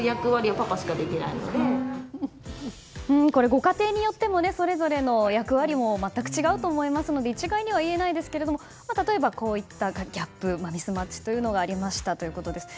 ご家庭によっても、それぞれの役割全く違うと思いますので一概には言えないですがこういったギャップミスマッチというのがありましたということです。